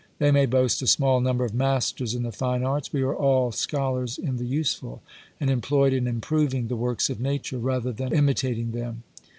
They may boast a small number of masters in the fine arts ; we are all scholars in the useful ; and employed in improving the works of nature, rather than imitating them.